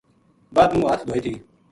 بعد منہ ہتھ دھوئے تھی